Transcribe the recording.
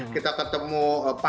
kita ketemu perempuan